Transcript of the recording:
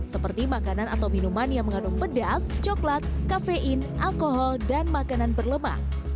seperti makanan atau minuman yang mengandung pedas coklat kafein alkohol dan makanan berlemak